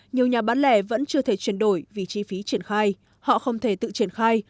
nhiều nhà bán lẻ vẫn chưa thể chuyển đổi vì chi phí triển khai họ không thể tự triển khai